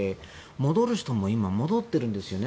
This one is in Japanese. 戻る人は戻っているんですよね。